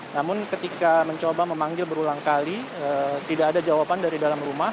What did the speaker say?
namun ketika mencoba memanggil berulang kali tidak ada jawaban dari dalam rumah